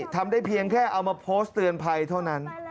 ทำได้เพียงแค่เอามาโพสต์เตือนภัยเท่านั้น